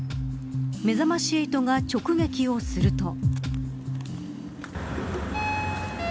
めざまし８が直撃をすると。